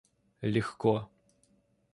легко